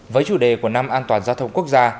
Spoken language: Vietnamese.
với chủ đề của năm an toàn giao thông quốc gia